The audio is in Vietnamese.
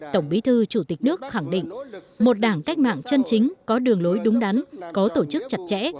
tổng bí thư chủ tịch nước khẳng định một đảng cách mạng chân chính có đường lối đúng đắn có tổ chức chặt chẽ